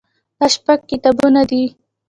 دا شپږ کتابونه دي.